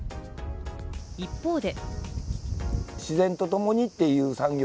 一方で。